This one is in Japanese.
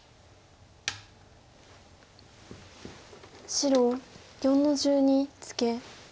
白４の十二ツケ。